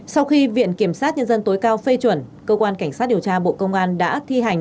sau khi viện kiểm sát nhân dân tối cao phê chuẩn cơ quan cảnh sát điều tra bộ công an đã thi hành